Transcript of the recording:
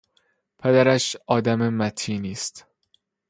پدرش آدم متینی است.